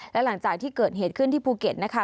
และหลังจากที่เกิดเหตุขึ้นที่ภูเก็ตนะคะ